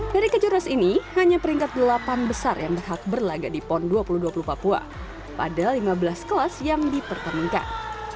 dari kejuaraan ini hanya peringkat delapan besar yang berhak berlaga di pon dua ribu dua puluh papua pada lima belas kelas yang dipertemukan